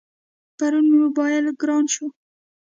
پرون مې موبایل گران شو.